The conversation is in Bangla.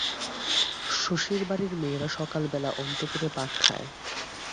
শশীর বাড়ির মেয়েরা সকালবেলা অন্তঃপুরে পাক খায়।